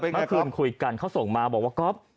เมื่อคืนคุยกันเขาส่งมาบอกว่าก๊อฟ